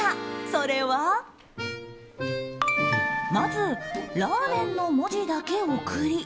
それは、まず「ラーメン」の文字だけ送り